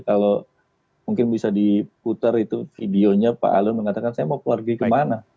kalau mungkin bisa diputar itu videonya pak alun mengatakan saya mau pergi kemana